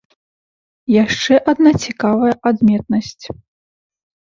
Яшчэ адна цікавая адметнасць.